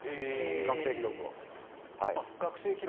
学生記録を？